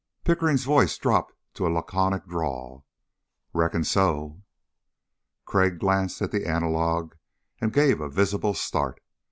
Pickering's voice dropped to a laconic drawl. "Reckon so." Crag glanced at the analog and gave a visible start.